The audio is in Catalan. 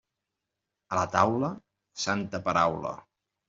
A la taula, santa paraula.